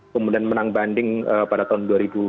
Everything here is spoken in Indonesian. kemudian menang banding pada tahun dua ribu dua puluh